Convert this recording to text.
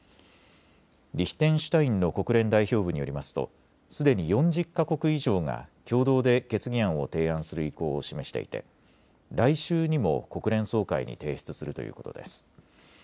リヒテンシュタインの国連代表部によりますとすでに４０か国以上が共同で決議案を提案する意向を示していて来週にも国連総会に提出するということです。